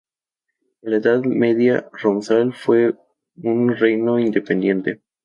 En la Edad Media Romsdal fue un reino independiente.